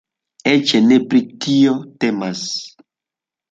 Eĉ ne pri tio temas.